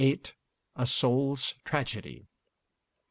'A Soul's Tragedy.'